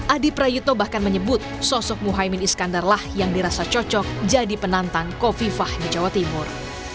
adi prayitno bahkan menyebut sosok muhaymin iskandar lah yang dirasa cocok jadi penantang kofifah di jawa timur